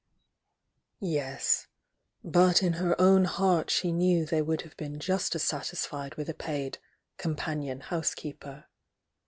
Yes,— but in her own hMrt she knew they would have been just as satis fied with a paid "companion housekeeper."